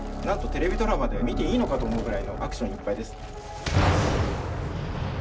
なんとテレビドラマで見ていいのか？と思うくらいのアクションいっぱいです。